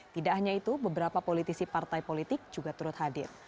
tidak hanya itu beberapa politisi partai politik juga turut hadir